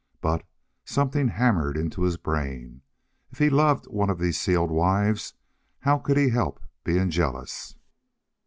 But, something hammered into his brain, if he loved one of these sealed wives, how could he help being jealous?